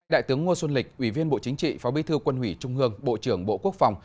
đại tướng ngô xuân lịch ủy viên bộ chính trị phó bí thư quân ủy trung ương bộ trưởng bộ quốc phòng